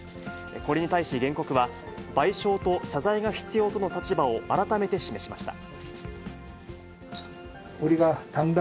これに対し、原告は、賠償と謝罪が必要との立場を改めて示しました。